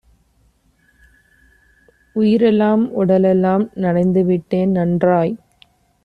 உயிரெல்லாம் உடலெல்லாம் நனைந்துவிட்டேன். நன்றாய்